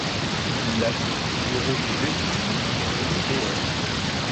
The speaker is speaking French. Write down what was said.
Il l'ami de Roger Dévigne et René Béhaine.